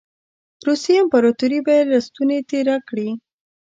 روسیې امپراطوري به یې له ستوني تېره کړي.